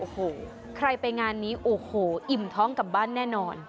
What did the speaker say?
โอ้โหใครไปงานนี้โอ้โหอิ่มท้องกลับบ้านแน่นอน